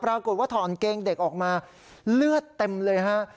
ว่าถอนเกงเด็กออกมาเลือดเต็มเลยฮะ